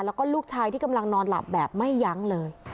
แล้วก็ลูกชายที่กำลังนอนหลับแบบไม่ยั้งเลย